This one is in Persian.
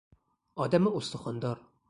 آدم استخوان دار